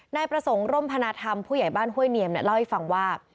นายประสงค์ร่มพนาธรรมผู้ใหญ่บ้านห้วยเนียมเล่าให้ฟังว่า